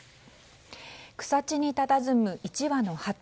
草地にたたずむ１羽のハト。